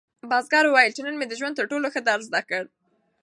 بزګر وویل چې نن مې د ژوند تر ټولو ښه درس زده کړ.